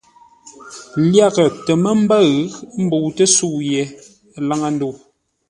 Lyaghʼə tə mə́ ḿbə́ʉ ḿbə́utə́ sə̌u yé laŋə́ ndəu.